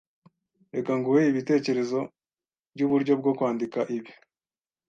Reka nguhe ibitekerezo byuburyo bwo kwandika ibi.